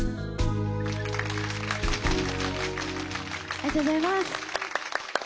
ありがとうございます！